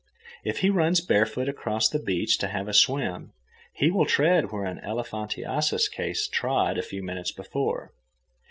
If he runs barefoot across the beach to have a swim, he will tread where an elephantiasis case trod a few minutes before.